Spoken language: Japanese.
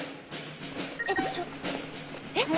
えっ？